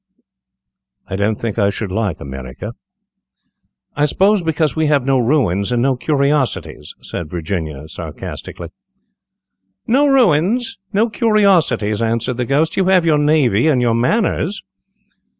"I don't think I should like America." "I suppose because we have no ruins and no curiosities," said Virginia, satirically. "No ruins! no curiosities!" answered the Ghost; "you have your navy and your manners."